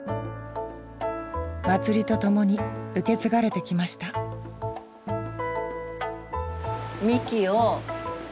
祭りとともに受け継がれてきましたみき。